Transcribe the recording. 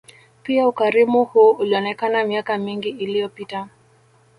Pia ukarimu huu ulionekana miaka mingi iliyopita